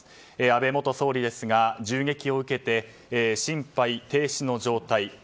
安倍元総理ですが、銃撃を受けて心肺停止の状態。